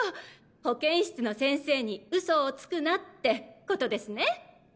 保健室の先生にウソをつくなって事ですね？